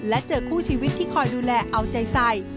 และเจอคู่ชีวิตที่คอยดูแลเอาใจใส่